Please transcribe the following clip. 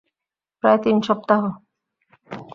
প্রায় তিন সপ্তাহ।